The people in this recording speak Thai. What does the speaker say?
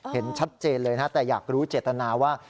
เห็นชัดเจนเลยนะแต่อยากรู้เจตนาว่า